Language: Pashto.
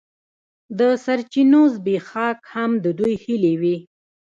د سرچینو زبېښاک هم د دوی هیلې وې.